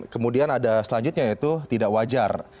kemudian ada selanjutnya yaitu tidak wajar